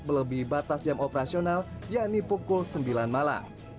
melebihi batas jam operasional yakni pukul sembilan malam